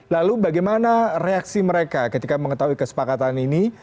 lalu bagaimana reaksi mereka ketika mengetahui kesepakatan ini